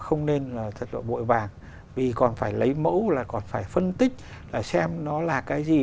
không nên là thật là bội vàng vì còn phải lấy mẫu là còn phải phân tích là xem nó là cái gì